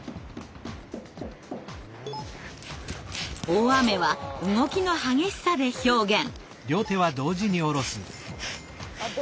大雨は動きの激しさで表現。